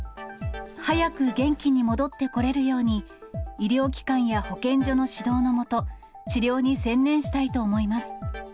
早く元気に戻ってこれるように、医療機関や保健所の指導のもと、治療に専念したいと思います。